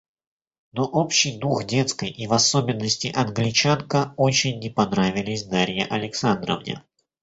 Но общий дух детской и в особенности Англичанка очень не понравились Дарье Александровне.